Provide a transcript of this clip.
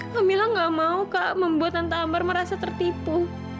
kamilah nggak mau kak membuat tante ambar merasa tertipu